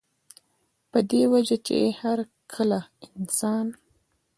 پۀ دې وجه چې هر کله انسان